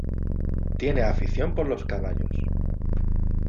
Tiene afición por los caballos.